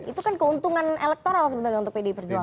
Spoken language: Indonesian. itu kan keuntungan elektoral sebenarnya untuk pdi perjuangan